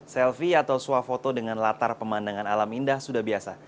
selfie atau swafoto dengan latar pemandangan alam indah sudah biasa